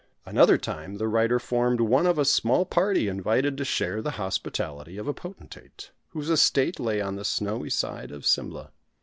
Another time the writer formed one of a small party invited to share the hospitality of a potentate, whose estate lay on the snowy side of Simla.